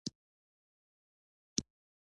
د افغانستان واردات څه دي؟